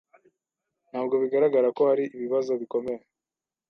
Ntabwo bigaragara ko hari ibibazo bikomeye.